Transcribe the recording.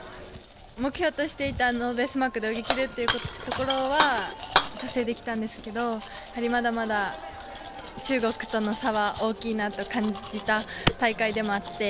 目標としていたノーベースマークで泳ぎ切るというところは達成できたんですけど、やはりまだまだ中国との差は大きいなと感じた大会でもあって。